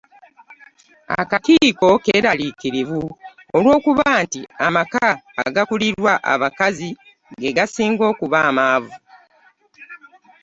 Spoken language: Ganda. Akakiiko era keeraliikirivu olw’okuba ntii amaka agakulirwa abakazi ge gasinga okuba amaavu.